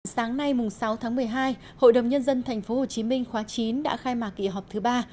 sáng nay sáu tháng một mươi hai hội đồng nhân dân tp hcm khóa chín đã khai mạc kỳ họp thứ ba